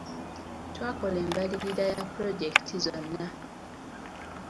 Twakola embalirira ya pulojekiti zonna.